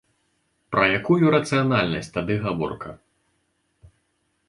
Пра якую рацыянальнасць тады гаворка?